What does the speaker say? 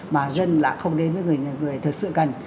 mà dân là không đến với người thật sự cần